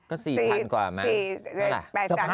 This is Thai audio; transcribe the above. ก็๔๐๐๐กว่าแม่ง